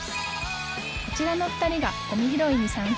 こちらの２人がごみ拾いに参戦